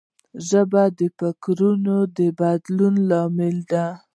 ژبه د فکرونو د بدلون لامل ده